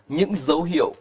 những dấu hiệu